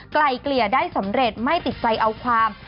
ไกลเกลี่ยได้สำเร็จไม่ติดใจเอาความ